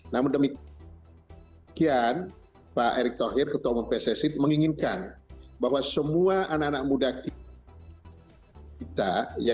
namun demikian pak erick thohir ketua umum pssi menginginkan bahwa semua anak anak muda kita